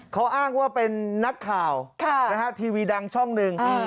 เขาอ้างว่าเป็นนักข่าวทีวีดังช่องหนึ่ง